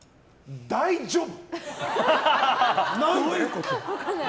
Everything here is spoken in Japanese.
大丈夫？